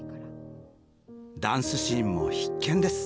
ダンスシーンも必見です！